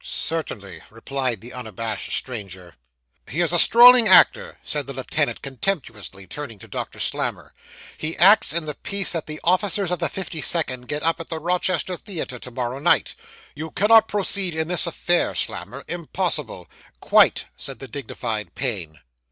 'Certainly,' replied the unabashed stranger. 'He is a strolling actor!' said the lieutenant contemptuously, turning to Doctor Slammer. 'He acts in the piece that the officers of the 52nd get up at the Rochester Theatre to morrow night. You cannot proceed in this affair, Slammer impossible!' 'Quite!' said the dignified Payne.